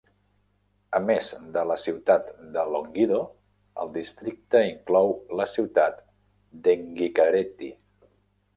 A més de la ciutat de Longido, el districte inclou la ciutat d'Engikareti.